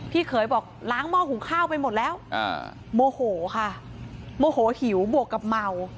เขยบอกล้างหม้อหุงข้าวไปหมดแล้วโมโหค่ะโมโหหิวบวกกับเมา